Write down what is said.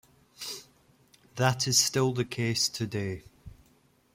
That is still the case today.